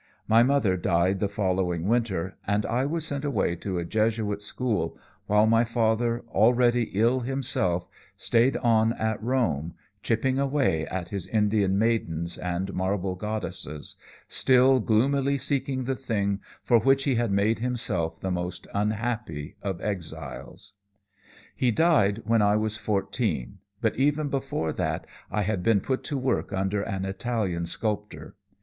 My mother died the following winter, and I was sent away to a Jesuit school, while my father, already ill himself, stayed on at Rome, chipping away at his Indian maidens and marble goddesses, still gloomily seeking the thing for which he had made himself the most unhappy of exiles. "He died when I was fourteen, but even before that I had been put to work under an Italian sculptor.